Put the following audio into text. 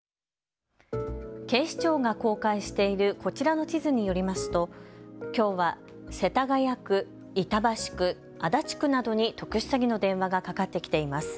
警視庁が公開しているこちらの地図によりますときょうは世田谷区、板橋区、足立区などに特殊詐欺の電話がかかってきています。